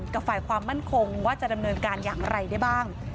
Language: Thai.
ฝ่ายความมั่นคงว่าจะดำเนินการอย่างไรได้บ้าง